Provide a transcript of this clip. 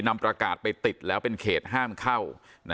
นำประกาศไปติดแล้วเป็นเขตห้ามเข้า